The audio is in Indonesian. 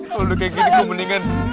kalau kayak gini kemeningan